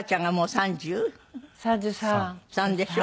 ３３でしょ？